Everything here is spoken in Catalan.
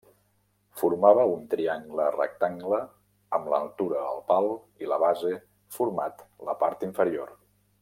Formava un triangle rectangle amb l'altura al pal i la base format la part inferior.